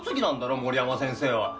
森山先生は。